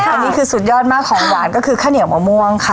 อันนี้คือสุดยอดมากของหวานก็คือข้าวเหนียวมะม่วงค่ะ